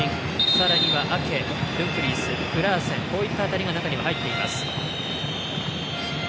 さらにはアケ、ドゥンフリースクラーセンこういった辺りが中に入っています。